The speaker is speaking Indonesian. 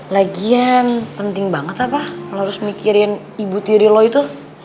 lagian penting banget apa kalau harus mikirin ibu tiri lo itu